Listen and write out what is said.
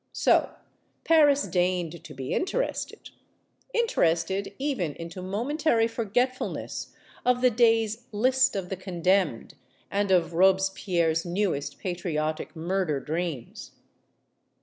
So Paris deigned to be interested; interested even into momentary forgetfulness of the day's "List of the Condemned" and of Robespierre's newest patriotic murder dreams.